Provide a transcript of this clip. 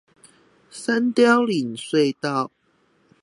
三貂嶺隧道